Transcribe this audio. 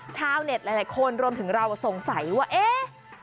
ชาวเน็ตหลายคนรวมถึงเราสงสัยว่าเอ๊ะ